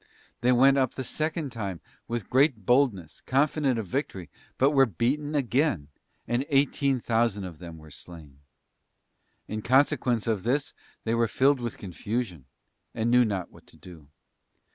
They went up the second time with great boldness, confident of victory, but were beaten again, and eighteen thousand of them were slain. In consequence of this they were filled with confusion, and knew not what to do.